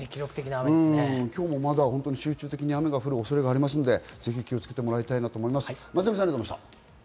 今日もまだ集中的に雨が降る可能性がありますので、ぜひ気をつけていただきたいと思います。